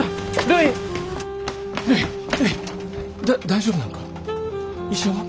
だ大丈夫なんか？